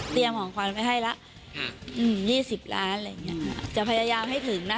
เตรียมของขวัญไปให้ละอืม๒๐ล้านอะไรอย่างนี้จะพยายามให้ถึงนะ